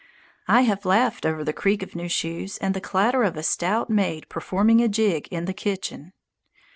I have laughed over the creak of new shoes and the clatter of a stout maid performing a jig in the kitchen.